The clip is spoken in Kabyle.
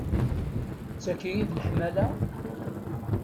D taki i d leḥmala?